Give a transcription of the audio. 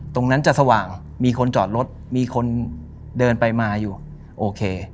ตรงนั้นจะสว่างมีคนจอดรถมีคนเดินไปมาอยู่โอเค